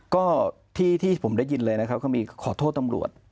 ก็ที่ผมได้ยินเลยนะครับก็มีขอโทษตำรวจ